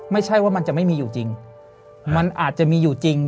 ไม่ใช่ว่ามันจะไม่มีอยู่จริงมันอาจจะมีอยู่จริง